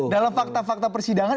dalam fakta fakta persidangan